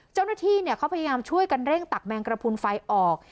เจ้าหน้าที่เขาพยายามช่วยกันเร่งตักแมงกระพุนไฟออก